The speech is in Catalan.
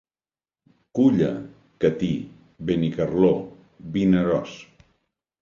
Culla, Catí, Benicarló, Vinaròs.